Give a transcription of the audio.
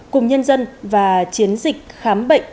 cùng nhân dân và chiến dịch khám bệnh